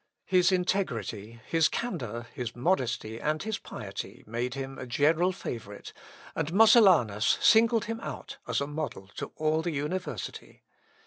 His integrity, his candour, his modesty, and his piety, made him a general favourite, and Mosellanus singled him out as a model to all the university.